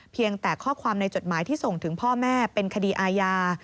เพียงแต่ข้อความในจดหมายที่ส่งถึงพ่อแม่เป็นคดีอาญา